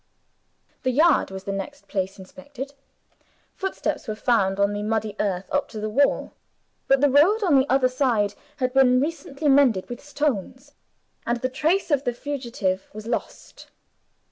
The yard was the next place inspected. Foot steps were found on the muddy earth up to the wall. But the road on the other side had been recently mended with stones, and the trace of the fugitive was lost.